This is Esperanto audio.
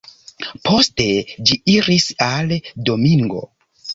Poste ĝi iris al Domingo.